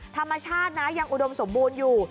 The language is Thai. ธรรมชาตินะยังอุดมสมบูรณ์อยู่